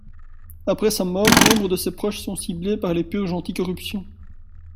Après sa mort, nombre de ses proches sont ciblés par les purges anti-corruption.